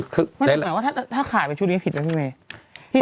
ไม่แต่ว่าถ้าขายไว้ชุดนี้ผิดใช่ไหม